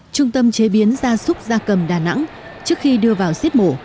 trung tâm chế biến gia súc gia cầm đà nẵng trước khi đưa vào giết mổ